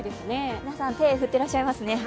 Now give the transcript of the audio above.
皆さん、手を振っていらっしゃいますね。